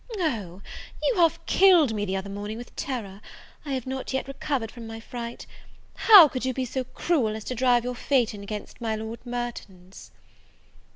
"O, you half killed me the other morning, with terror! I have not yet recovered from my fright. How could you be so cruel as to drive your phaeton against my Lord Merton's?"